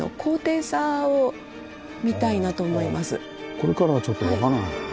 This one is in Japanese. これからはちょっと分からない。